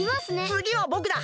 つぎはぼくだ！